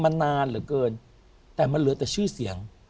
นานเหลือเกินแต่มันเหลือแต่ชื่อเสียง